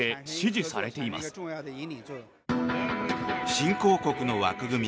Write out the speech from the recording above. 新興国の枠組み